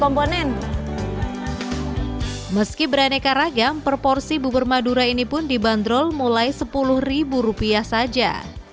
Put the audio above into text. komponen meski beraneka ragam per porsi bubur madura ini pun dibanderol mulai sepuluh rupiah saja